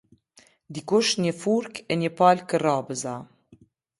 Dikush një furkë e një palë kërrabëza.